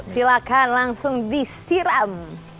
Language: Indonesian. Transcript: silahkan langsung disiram